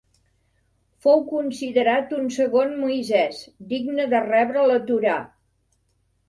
Fou considerat un segon Moisès, digne de rebre la Torà.